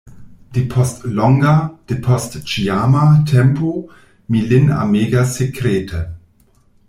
Depost longa, depost ĉiama tempo, mi lin amegas sekrete.